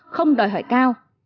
không đòi hỏi cao